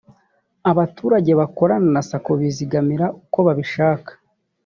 abaturage bakorana na sacco bizigamira uko babishaka